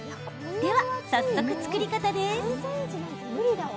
では、早速作り方です。